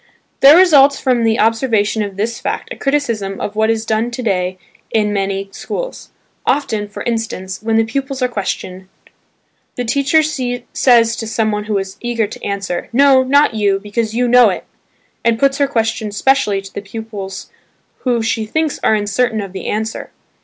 There results from the observation of this fact a criticism of what is done to day in many schools. Often, for instance when the pupils are questioned, the teacher says to someone who is eager to answer, "No, not you, because you know it" and puts her question specially to the pupils who she thinks are uncertain of the answer.